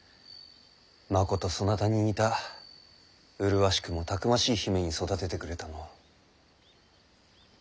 まことそなたに似た麗しくもたくましい姫に育ててくれたのう。